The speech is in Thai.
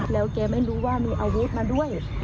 แล้วแกไม่รู้ว่ามีอาวุธมาด้วย